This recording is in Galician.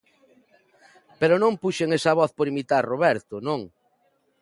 Pero non puxen esa voz por imitar Roberto, non.